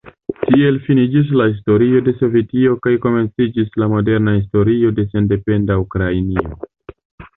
Tiel finiĝis la historio de Sovetio kaj komenciĝis la moderna historio de sendependa Ukrainio.